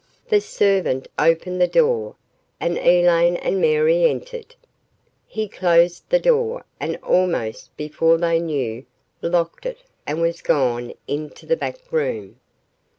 The servant opened the door and Elaine and Mary entered. He closed the door and almost before they knew locked it and was gone into the back room.